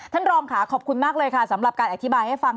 ท่านรองค่ะขอบคุณมากเลยค่ะสำหรับการอธิบายให้ฟัง